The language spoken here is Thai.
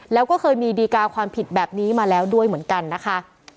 แล้วก็เคยมีดีกาความผิดแบบนี้มาแล้วด้วยเหมือนกันนะคะ